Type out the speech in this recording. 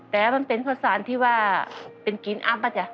แต่มันเป็นข้าวสารที่ว่าเป็นกินอัพอจ๊ะ